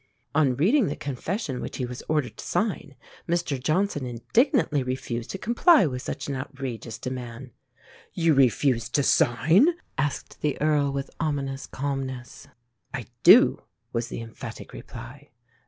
On reading the confession which he was ordered to sign, Mr Johnson indignantly refused to comply with such an outrageous demand. "You refuse to sign?" asked the Earl with ominous calmness. "I do," was the emphatic reply.